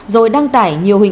rồi đăng tải nhiều hình ảnh